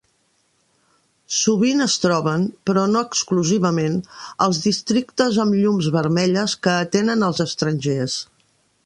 Sovint es troben, però no exclusivament, als districtes amb llums vermelles que atenen als estrangers.